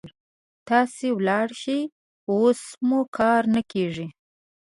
تاسې ولاړ شئ، اوس مو کار نه کيږي.